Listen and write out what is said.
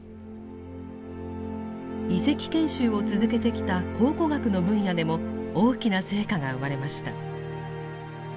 遺跡研修を続けてきた考古学の分野でも大きな成果が生まれました。